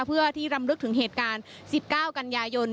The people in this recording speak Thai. เพื่อที่รำลึกถึงเหตุการณ์๑๙กันยายน